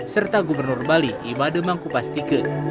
serta gubernur bali ibademang kupas tike